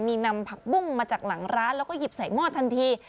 มีนำผักบุ้งมาจากหลังร้านแล้วก็หยิบใส่หม้อทันที